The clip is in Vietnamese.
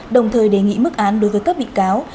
đồng thời đề nghị mức án đối với các bị cáo